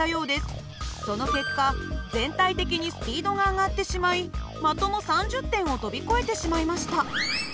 その結果全体的にスピードが上がってしまい的の３０点を飛び越えてしまいました。